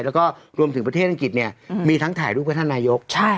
แล้วก็รวมถึงประเทศอังกฤษเนี้ยอืมมีทั้งถ่ายรูปพัฒนายกใช่